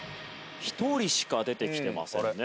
１人しか出てきてませんね。